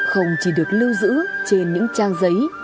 không chỉ được lưu giữ trên những trang giấy